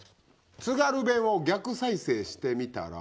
「津軽弁を逆再生してみたら？」。